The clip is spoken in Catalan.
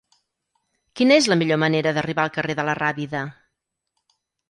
Quina és la millor manera d'arribar al carrer de la Rábida?